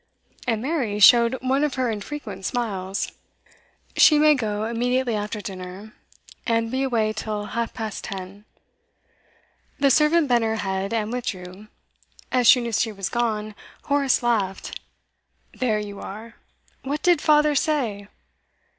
And Mary showed one of her infrequent smiles. 'She may go immediately after dinner, and be away till half past ten.' The servant bent her head, and withdrew. As soon as she was gone, Horace laughed. 'There you are! What did father say?